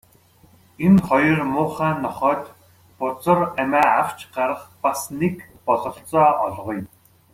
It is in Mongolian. Энэ хоёр муухай нохойд бузар амиа авч гарах бас нэг бололцоо олгоё.